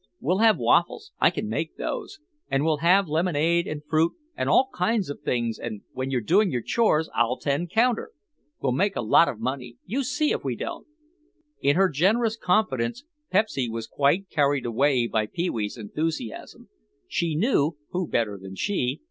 We'll have waffles—I can make those. And we'll have lemonade and fruit and all kinds of things and when you're doing your chores I'll tend counter. We'll make a lot of money, you see if we don't." In her generous confidence, Pepsy was quite carried away by Pee wee's enthusiasm. She knew (who better than she?)